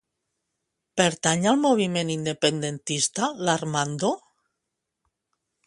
Pertany al moviment independentista l'Armando?